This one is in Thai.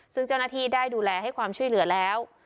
ซึ่งเจ้าหน้าที่ได้ดูแลให้ความช่วยเหลือแล้ว